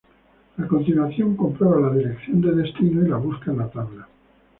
A continuación comprueba la dirección de destino y la busca en la tabla.